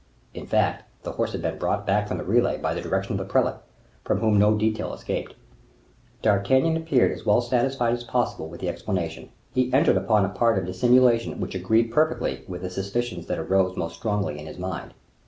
In fact, the horse had been brought back from the relay by the direction of the prelate, from whom no detail escaped. D'Artagnan appeared as well satisfied with as possible with the explanation. He entered upon a part of dissimulation which agreed perfectly with the suspicions that arose more strongly in his mind.